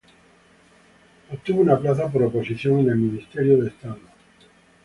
Obtuvo una plaza, por oposición, en el Ministerio de Estado.